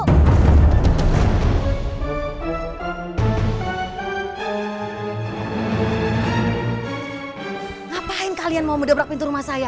ngapain kalian mau mendobrak pintu rumah saya